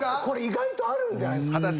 これ意外とあるんじゃないっすか？